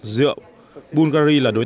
và đang thay đổi